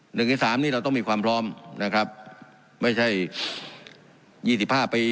หนึ่งในสามนี่เราต้องมีความพร้อมนะครับไม่ใช่ยี่สิบห้าปี